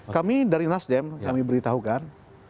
kami dari nasdem kami beritahukan